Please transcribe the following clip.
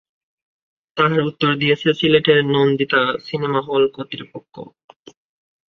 তার উত্তর দিয়েছে সিলেটের নন্দিতা সিনেমা হল কর্তৃপক্ষ।